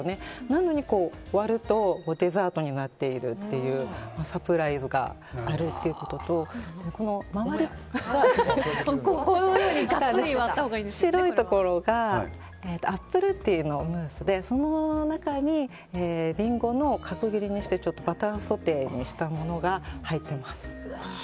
なのに、割るとデザートになっているというサプライズがあるということと白いところがアップルティーのムースでその中にリンゴを角切りにしてバターソテーにしたものが入ってます。